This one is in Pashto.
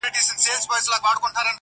• پوليس د کور ځيني وسايل له ځان سره وړي,